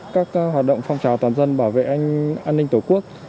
các hoạt động phong trào toàn dân bảo vệ an ninh tổ quốc